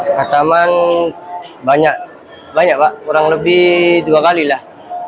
alhamdulillah banyak banyak pak kurang lebih dua kalilah